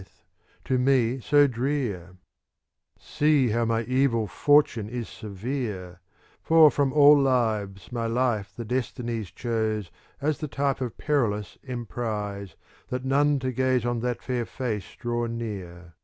IV 97 6 CANZONIERE See how my evil fortune is severe ; For from all lives, my life the destinies Chose as the type of perilous emprise, That none to gaze on that fair face dravv^ near.